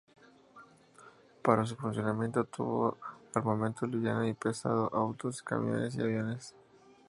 Para su funcionamiento tuvo armamento liviano y pesado, autos, camiones y aviones.